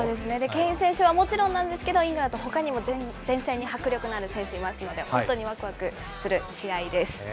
ケイン選手はもちろんなんですけど、イングランド、ほかにも前線に迫力がある選手いますので、本当にわくわくする試合です。